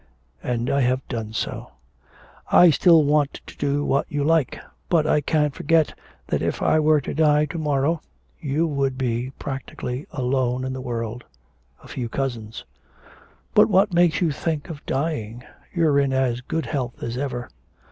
'And I have done so.' 'I still want you to do what you like. But I can't forget that if I were to die to morrow you would be practically alone in the world a few cousins ' 'But what makes you think of dying? You're in as good health as ever.'